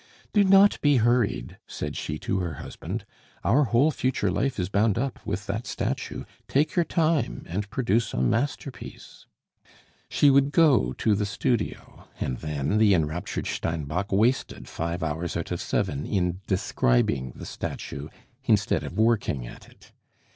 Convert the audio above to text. "Do not be hurried," said she to her husband, "our whole future life is bound up with that statue. Take your time and produce a masterpiece." She would go to the studio, and then the enraptured Steinbock wasted five hours out of seven in describing the statue instead of working at it.